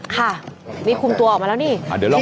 ค่ะนี่คุมตัวออกมาแล้วนี่